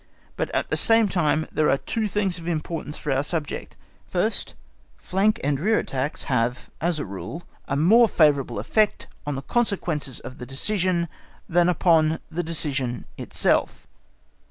But, at the same time, there are in it two things of importance for our subject: first, _flank and rear attacks have, as a rule, a more favourable effect on the consequences of the decision than upon the decision itself_.